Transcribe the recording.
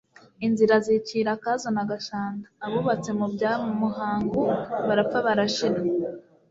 Inzira zicira Kazo na Gashanda.Abubatse mu bya Muhangu barapfa barashira;